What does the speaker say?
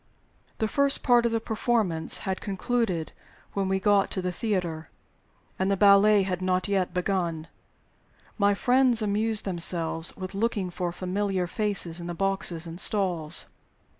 The first part of the performance had concluded when we got to the theater, and the ballet had not yet begun. My friends amused themselves with looking for familiar faces in the boxes and stalls.